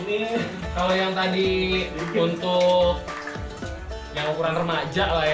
ini kalau yang tadi untuk yang ukuran remaja lah ya